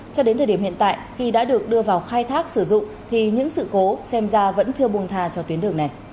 cho đến thời điểm hiện tại khi đã được đưa vào khai thác sử dụng thì những sự cố xem ra vẫn chưa buông thà cho tuyến đường này